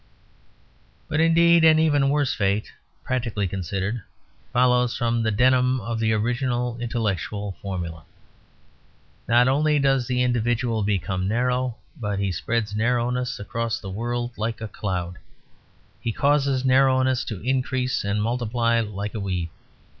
But, indeed, an even worse fate, practically considered, follows from the denim of the original intellectual formula. Not only does the individual become narrow, but he spreads narrowness across the world like a cloud; he causes narrowness to increase and multiply like a weed.